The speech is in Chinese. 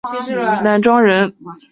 广东南海南庄人。